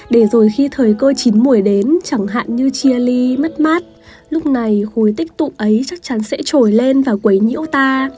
để rồi khi thời cơ chín mùi đến chẳng hạn như chia ly mất mát lúc này khối tích tụ ấy chắc chắn sẽ trồi lên và quấy nhiễu ta